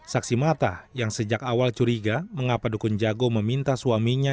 saksi mata yang sejak awal curiga mengapa dukun jago meminta suaminya